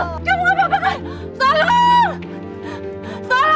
kamu gak apa apa kan